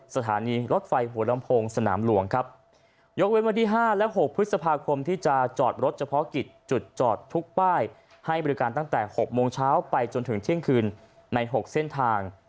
สถานีรถไฟหัวลำโพงสนามหลวงครับยกเว้นวันที่๕และ๖พฤษภาคมที่จะจอดรถเฉพาะกิจจุดจอดทุกป้ายให้บริการตั้งแต่๖โมงเช้าไปจนถึงเที่ยงคืนใน๖เส้นทาง